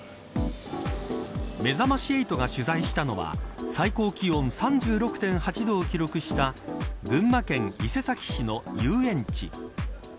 めざまし８が取材したのは最高気温３６．８度を記録した群馬県伊勢崎市の遊園地。